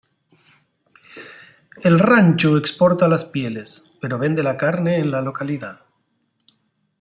El rancho exporta las pieles, pero vende la carne en la localidad.